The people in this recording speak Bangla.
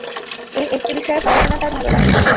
এই একটি বিষয়ে পড়াশোনা তাঁর ভালো লাগে না।